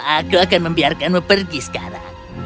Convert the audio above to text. aku akan membiarkanmu pergi sekarang